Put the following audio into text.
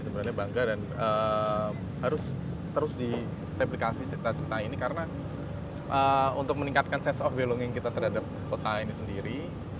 sebenarnya bangga dan harus terus direplikasi cerita cerita ini karena untuk meningkatkan sense of belonging kita terhadap kota ini sendiri